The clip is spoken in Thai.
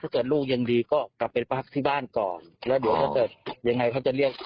เกิดลูกยังดีก็กลับไปพักที่บ้านก่อนแล้วเดี๋ยวถ้าเกิดยังไงเขาจะเรียก